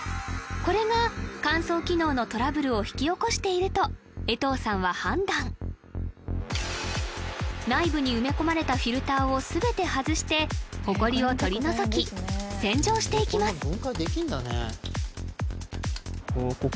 これが乾燥機能のトラブルを引き起こしていると江藤さんは判断内部に埋め込まれたフィルターを全て外してホコリを取り除き洗浄していきます